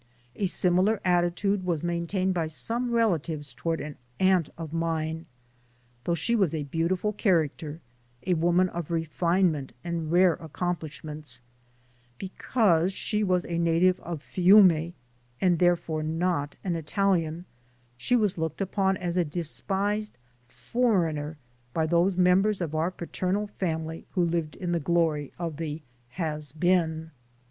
A similar attitude was maintained by some relatives toward an aunt of mine. Though she was a beautiful char acter, a woman of refinement and rare accomplish ments, because she was a native of Fiume and therefore not an Italian, she was looked upon as a despised "foreigner" by those members of our paternal family who lived in the glory of the has been.